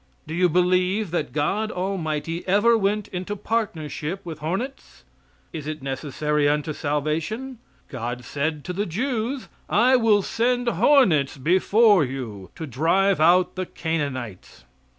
Do you believe that God Almighty ever went into partnership with hornets? Is it necessary unto salvation? God said to the Jews "I will send hornets before you, to drive out the Canaanites."